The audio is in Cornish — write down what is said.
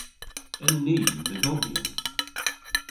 En ni medhogyon?